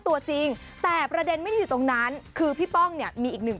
ตัวจริงแต่ประเด็นไม่ได้อยู่ตรงนั้นคือพี่ป้องเนี่ยมีอีกหนึ่ง